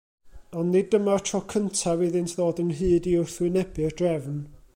Ond nid dyma'r tro cyntaf iddynt ddod ynghyd i wrthwynebu'r drefn.